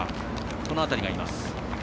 この辺りがいます。